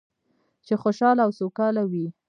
چې خوشحاله او سوکاله وي.